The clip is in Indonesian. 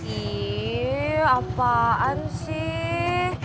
ih apaan sih